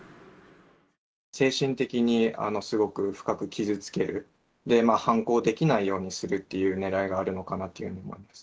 精神的にすごく深く傷つける、反抗できないようにするっていうねらいがあるのかなっていうふうに思います。